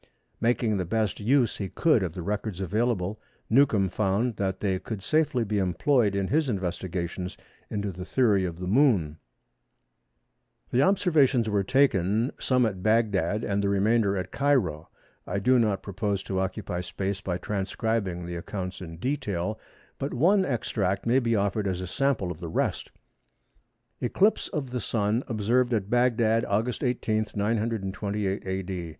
Making the best use he could of the records available Newcomb found that they could safely be employed in his investigations into the theory of the Moon. The observations were taken, some at Bagdad and the remainder at Cairo. I do not propose to occupy space by transcribing the accounts in detail, but one extract may be offered as a sample of the rest—"Eclipse of the Sun observed at Bagdad, August 18, 928 A.D.